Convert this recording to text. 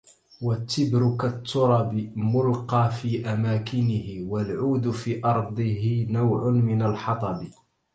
والتِّبرُ كالتُّـرب مُلقى في أماكنـه... والعود في أرضه نوع من الحطب